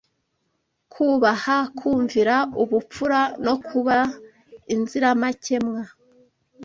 kubaha, kumvira, ubupfura no kuba inziramakemwa